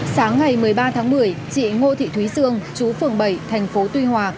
sáng ngày một mươi ba tháng một mươi chị ngô thị thúy sương chú phường bảy thành phố tuy hòa